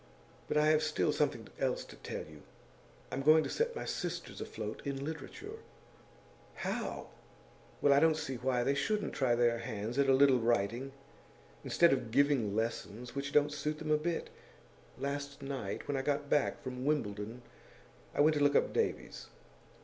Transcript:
But I have still something else to tell you. I'm going to set my sisters afloat in literature.' 'How!' 'Well, I don't see why they shouldn't try their hands at a little writing, instead of giving lessons, which doesn't suit them a bit. Last night, when I got back from Wimbledon, I went to look up Davies.